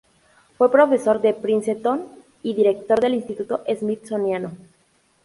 Fue profesor de Princeton y director del Instituto Smithsoniano.